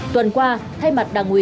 tuần qua thay mặt đảng quốc